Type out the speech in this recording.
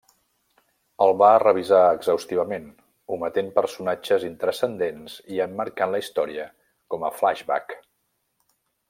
El va revisar exhaustivament, ometent personatges intranscendents i emmarcant la història com a flashback.